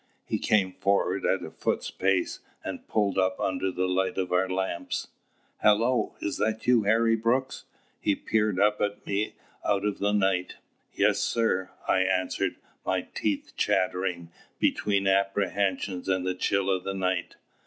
He came forward at a foot's pace, and pulled up under the light of our lamps. "Hallo! is that you, Harry Brooks?" He peered up at me out of the night. "Yes, sir," I answered, my teeth chattering between apprehension and the chill of the night.